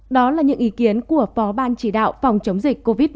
đó là những ý kiến của phó ban chỉ đạo phòng chống dịch covid một mươi chín